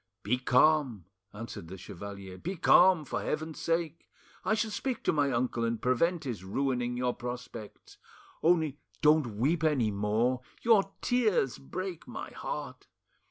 "Be calm," answered the chevalier, "be calm, for heaven's sake. I shall speak to my uncle and prevent his ruining your prospects. Only don't weep any more, your tears break my heart.